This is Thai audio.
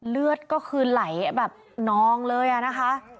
เลือดก็คือไหลแบบนองเลยอะนะคะ